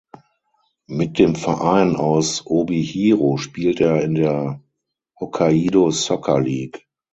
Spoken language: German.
Mit dem Verein aus Obihiro spielt er in der Hokkaido Soccer League.